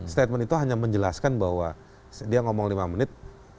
statement itu hanya menjelaskan bahwa dia ngomong lima menit